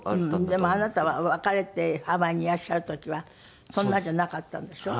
でもあなたは別れてハワイにいらっしゃる時はそんなじゃなかったんでしょ？